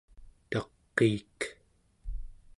taqiik dual